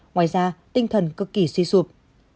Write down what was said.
ngoài ra tinh thần cực kỳ suy sụp